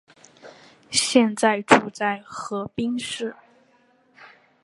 现在住在横滨市。